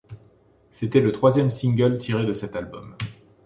C'était le troisième single tiré de cet album.